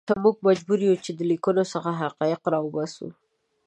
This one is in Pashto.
موږ مجبور یو چې له لیکنو څخه حقایق راوباسو.